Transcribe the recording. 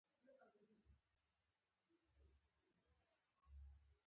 یوې ګوښې ته یې کړ، اوس نو زموږ او د دوی.